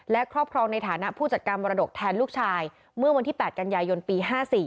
และครอบครองในฐานะผู้จัดการมรดกแทนลูกชายเมื่อวันที่๘กันยายนปี๕๔